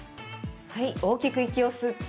はい、大きく息を吸って。